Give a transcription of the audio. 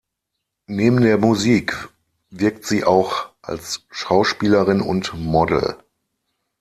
Neben der Musik wirkt sie auch als Schauspielerin und Model.